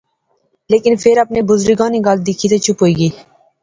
لیکن فیر اپنے بزرگیں نی گل دکھی تہ چپ ہوئی گئی